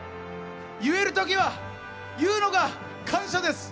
言える時は言うのが感謝です。